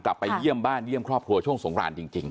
กลับไปเยี่ยมบ้านเยี่ยมครอบครัวช่วงสงครานจริง